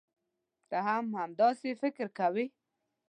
ته هم همداسې فکر کوې.